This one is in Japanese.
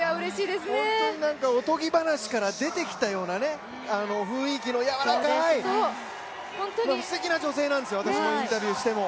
本当におとぎ話から出てきたような雰囲気のやわらかい、すてきな女性なんですよ、私もインタビューしても。